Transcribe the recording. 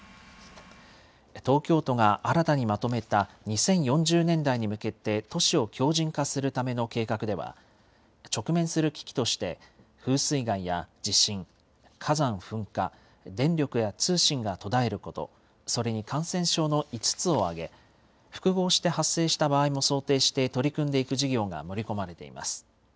東京都が新たにまとめた、２０４０年代に向けて都市を強じん化するための計画では、直面する危機として、風水害や地震、火山噴火、電力や通信が途絶えること、それに感染症の５つを挙げ、複合して発生した場合も想定して取り組んでいく事業が盛り込まれています。